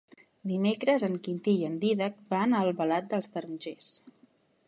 Dimecres en Quintí i en Dídac van a Albalat dels Tarongers.